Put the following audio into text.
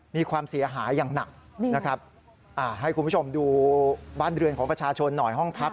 มีความเสียหายอย่างหนัก